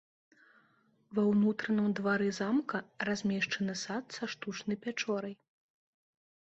Ва ўнутраным двары замка размешчаны сад са штучнай пячорай.